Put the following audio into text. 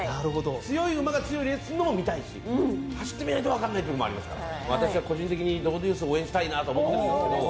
強い馬が強いレースするのも見たいし走ってみないと分かんない部分もありますから私は個人的にドウデュース応援したいと思ってるんですけど。